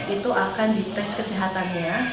itu akan dites kesehatannya